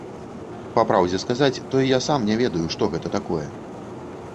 Па праўдзе сказаць, то і я сам не ведаю, што гэта такое.